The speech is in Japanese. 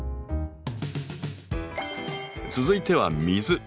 続いては「水」。